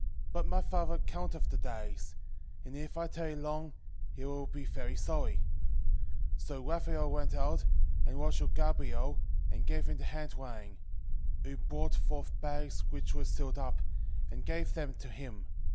9:4 But my father counteth the days; and if I tarry long, he will be very sorry. 9:5 So Raphael went out, and lodged with Gabael, and gave him the handwriting: who brought forth bags which were sealed up, and gave them to him.